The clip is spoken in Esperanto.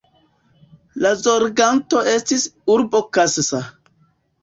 La zorganto estis urbo Kassa.